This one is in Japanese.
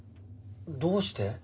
どうして？